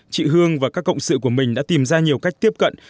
chị hương và các cộng sự của mình đã tìm ra nhiều cách tiếp cận